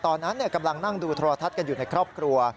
ตอนนั้นกำลังนั่งดูโทรทัศน์กันอยู่ในครอบครัว